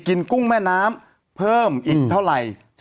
กุ้งแม่น้ำเพิ่มอีกเท่าไหร่